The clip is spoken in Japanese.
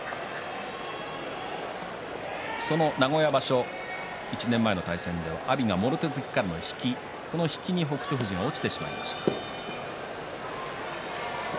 その名古屋場所、１年前の対戦阿炎がもろ手突きからの引きその引きに北勝富士が落ちてしまいました。